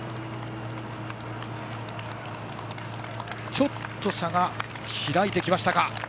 ちょっと差が開いてきましたか。